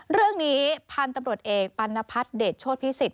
เรื่องนี้พันธุ์ตำรวจเอกปัณพัฒน์เดชโชธพิสิทธ